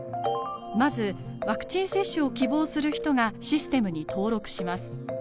まずワクチン接種を希望する人がシステムに登録します。